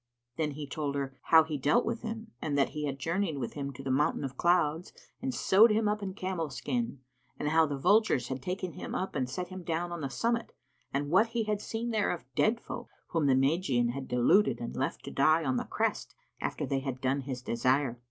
Then he told her how he dealt with him, in that he had journeyed with him to the Mountain of Clouds and sewed him up in the camel's skin, and how the vultures had taken him up and set him down on the summit and what he had seen there of dead folk, whom the Magian had deluded and left to die on the crest after they had done his desire.